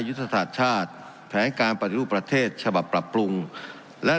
ยุทธศาสตร์ชาติแผนการปฏิรูปประเทศฉบับปรับปรุงและ